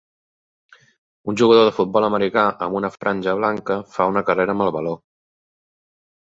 un jugador de futbol americà amb una franja blanca fa una carrera amb el baló.